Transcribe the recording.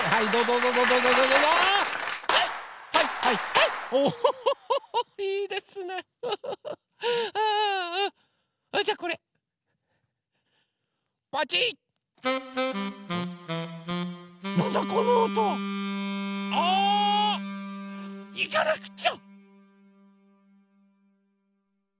いかなくちゃ！